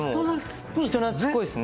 人なつっこいですね。